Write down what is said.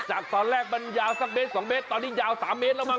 จากตอนแรกมันยาวสักเมตร๒เมตรตอนนี้ยาว๓เมตรแล้วมั้